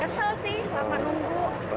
kesel sih lama nunggu